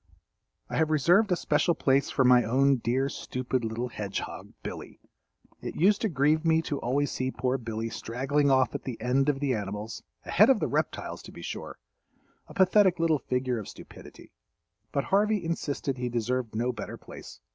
I have reserved a special place for my own dear, stupid, little hedge hog, Billy. It used to grieve me to always see poor Billy straggling off at the end of the animals—ahead of the reptiles, to be sure—a pathetic little figure of stupidity, but Harvey insisted he deserved no better place.